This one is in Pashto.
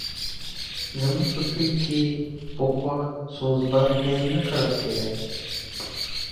زموږ په کلي کښې پخوا سوز بر ډېر نه کرل کېدی.